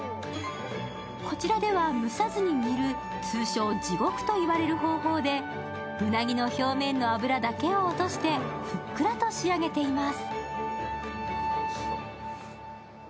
こちらでは蒸さずに煮る、通称・地獄と呼ばれる方法で、うなぎの表面の脂だけ落としてふっくらと仕上げています。